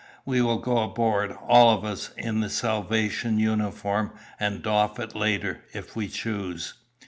We will go aboard, all of us, in the salvation uniform and doff it later, if we choose."